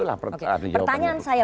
itulah pertanyaan saya